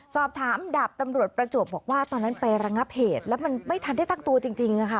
สอบถามดาบตำรวจประจวบบอกว่าตอนนั้นไประงับเหตุแล้วมันไม่ทันได้ตั้งตัวจริงค่ะ